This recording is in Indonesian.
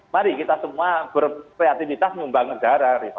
mari kita semua berkreativitas membangun negara